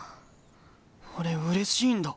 俺うれしいんだ